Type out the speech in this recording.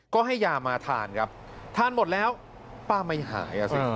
ก็ให้ยามาทานครับทานหมดแล้วป้าไม่หายอ่ะสิ